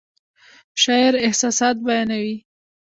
شاعر احساسات بیانوي